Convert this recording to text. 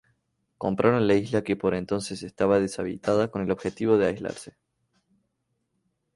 Compraron la isla que por entonces estaba deshabitada con el objetivo de aislarse.